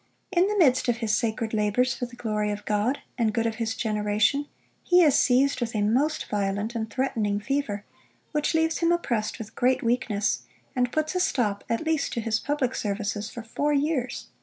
In the midst of his sacred labours for the glory of God, and good of his generation he is seized with a most violent and threatening fever, which leaves him oppressed with great weakness, and puts a stop at least to his public services for four years.